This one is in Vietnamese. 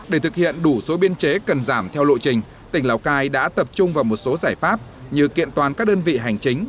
để thực hiện đủ số biên chế cần giảm theo lộ trình tỉnh lào cai đã tập trung vào một số giải pháp như kiện toàn các đơn vị hành chính